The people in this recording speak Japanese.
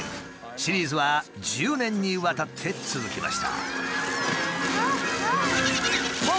シリーズは１０年にわたって続きました。